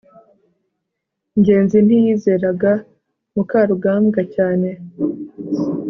ngenzi ntiyizeraga mukarugambwa cyane